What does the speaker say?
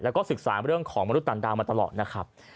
แล้วก็ศึกษาเรื่องของมนุษย์ดาวมาตลอดนะครับ